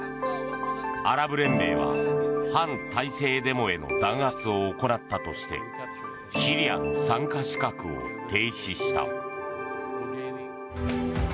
アラブ連盟は、反体制デモへの弾圧を行ったとしてシリアの参加資格を停止した。